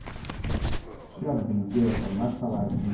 She has been jailed for Naxalite movement.